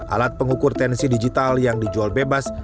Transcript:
alat pengukur tensi digital yang diperlukan